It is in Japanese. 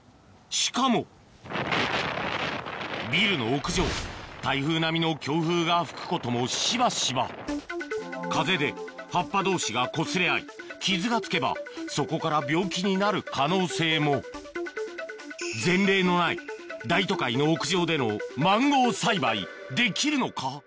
しかもビルの屋上台風並みの強風が吹くこともしばしば風で葉っぱ同士がこすれ合い傷が付けばそこから病気になる可能性も大都会のできるのか？